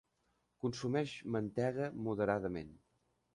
Consumeix mantega moderadament.